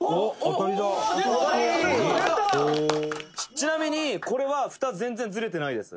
「ちなみにこれはフタ全然ズレてないです」